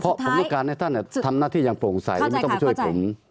เพราะผมต้องการให้ท่านทำหน้าที่อย่างโปร่งใสและไม่ต้องไปช่วยผม